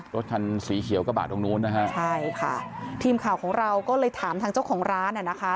รถคันสีเขียวกระบาดตรงนู้นนะฮะใช่ค่ะทีมข่าวของเราก็เลยถามทางเจ้าของร้านอ่ะนะคะ